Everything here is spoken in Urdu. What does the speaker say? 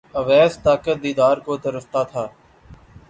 اویس طاقت دیدار کو ترستا تھا